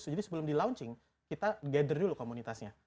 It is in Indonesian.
jadi sebelum di launching kita gather dulu komunitasnya